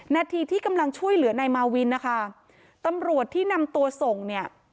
นาทีที่กำลังช่วยเหลือนายมาวินนะคะตำรวจที่นำตัวส่งเนี่ย